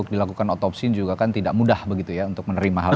jadi melakukan otopsi juga kan tidak mudah begitu ya untuk menerima hal itu